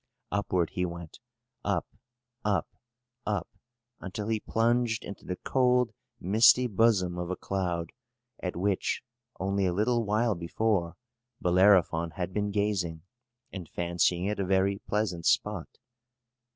Upward he went, up, up, up, until he plunged into the cold misty bosom of a cloud, at which, only a little while before, Bellerophon had been gazing, and fancying it a very pleasant spot.